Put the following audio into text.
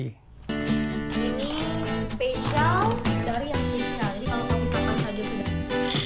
ini spesial dari yang spesial